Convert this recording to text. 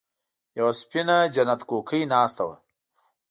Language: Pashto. يوه سپينه جنت کوکۍ ناسته وه.